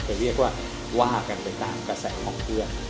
เรียกว่าว่ากันไปตามกระแสของเพื่อน